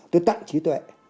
tôi tặng trí tuệ